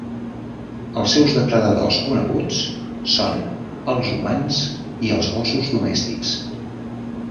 Els seus depredadors coneguts són els humans i els gossos domèstics.